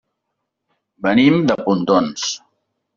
Venim de Pontons.